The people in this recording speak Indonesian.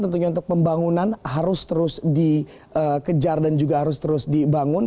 tentunya untuk pembangunan harus terus dikejar dan juga harus terus dibangun